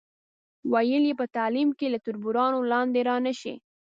ویل یې په تعلیم کې له تربورانو لاندې را نشئ.